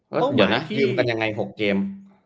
แล้วเดี๋ยวนะยืมกันยังไง๖เกม